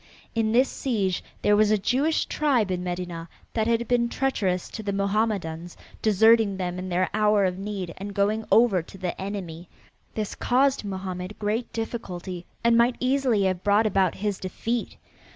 In this siege there was a Jewish tribe in Medinah that had been treacherous to the Mohammedans, deserting them in their hour of need, and going over to the enemy. This caused Mohammed great difficulty and might easily have brought about his defeat.